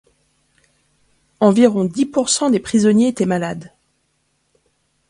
Environ dix pour cent des prisonniers étaient malades.